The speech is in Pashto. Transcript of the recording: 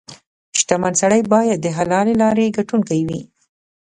• شتمن سړی باید د حلالې لارې ګټونکې وي.